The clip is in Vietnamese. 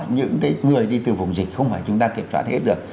những người đi từ vùng dịch không phải chúng ta kiểm soát hết được